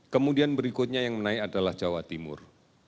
kemudian berikutnya yang menaik adalah jawa timur